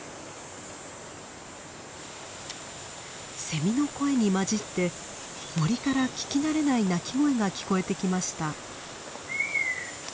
セミの声に混じって森から聞き慣れない鳴き声が聞こえてきました。